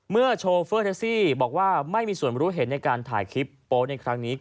โชเฟอร์แท็กซี่บอกว่าไม่มีส่วนรู้เห็นในการถ่ายคลิปโป๊ในครั้งนี้